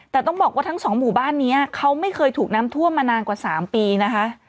แต่ต้องบอกว่าทั้งสองหมู่บ้านนี้เขาไม่เคยถูกน้ำท่วมมานานกว่า๓ปีนะคะ